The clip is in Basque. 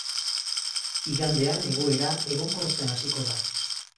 Igandean egoera egonkortzen hasiko da.